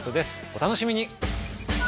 お楽しみに！